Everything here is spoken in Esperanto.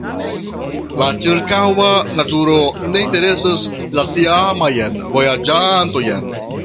La ĉirkaŭa naturo ne interesas la tiamajn vojaĝantojn.